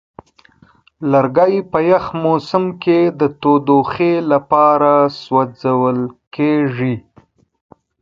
لرګی په یخ موسم کې د تودوخې لپاره سوځول کېږي.